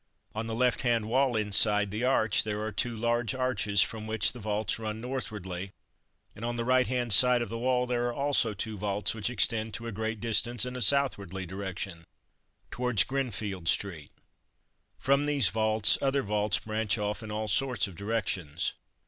On the left hand wall inside the arch there are two large arches, from which vaults run northwardly, and on the right hand side of the wall there are also two vaults which extend to a great distance in a southwardly direction, towards Grinfield street. From these vaults, other vaults branch off in all sorts of directions.